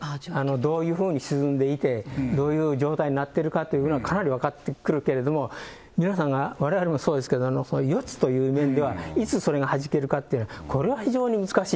どういうふうに沈んでいて、どういう状態になってるかというのは、かなり分かってくるけれども、皆さんが、われわれもそうですけれども、予知という面では、いつそれがはじけるかっていうのは、これは非常に難しい。